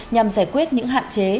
nhằm giải quyết những hạn chế